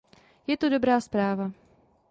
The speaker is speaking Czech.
Je to dobrá zpráva.